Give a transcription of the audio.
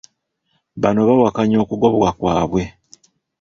Bano bawakanya okugobwa kwabwe.